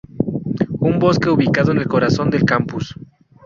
Un bosque ubicado en el corazón del campus.